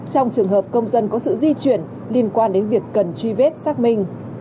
trong trường hợp công dân có sự di chuyển liên quan đến việc cần truy vết xác minh